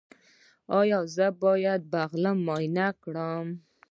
ایا زه باید د بلغم معاینه وکړم؟